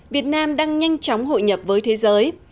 việt nam đang nhanh chóng hội nhập với thế giới